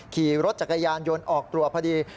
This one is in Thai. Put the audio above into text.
ขี่รถจักรยานยนต์ออกตัวพอดี